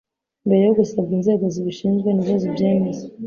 mbere yo gusabwa inzego zibishinzwe nizo zibyemeza